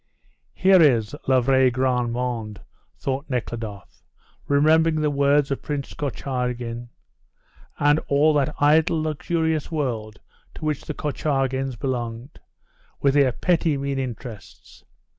"Here is_ le vrai grand monde_," thought Nekhludoff, remembering the words of Prince Korchagin and all that idle, luxurious world to which the Korchagins belonged, with their petty, mean interests.